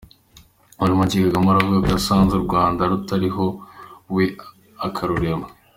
Muri make Kagame aravuga ko yasanze urwanda rutariho we akarurema !